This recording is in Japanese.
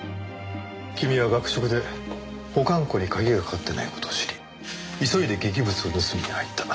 君は学食で保管庫に鍵がかかっていない事を知り急いで劇物を盗みに入った。